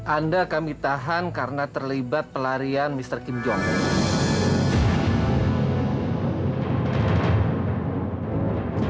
anda kami tahan karena terlibat pelarian mr kim jong